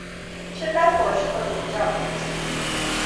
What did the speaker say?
是该国四个总教区之一。